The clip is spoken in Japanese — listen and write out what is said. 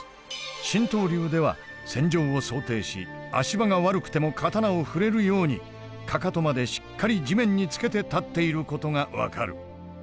神道流では戦場を想定し足場が悪くても刀を振れるようにかかとまでしっかり地面につけて立っていることが分かる。